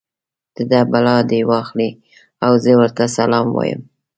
د ده بلا دې واخلي او زه ورته سلام وایم.